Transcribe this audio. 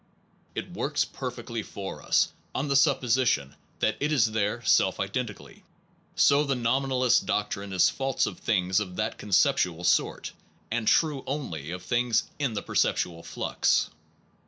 It works perfectly for us on the supposition that it is there self identically; so the nominalist doctrine is false of things of that conceptual sort, and true only of things in the perceptual flux.